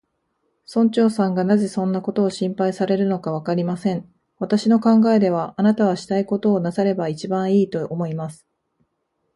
村長さんがなぜそんなことを心配されるのか、わかりません。私の考えでは、あなたはしたいことをなさればいちばんいい、と思います。